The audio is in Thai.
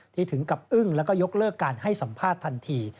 ถึงกับอึ้งแล้วก็ยกเลิกการให้สัมภาษณ์ทันที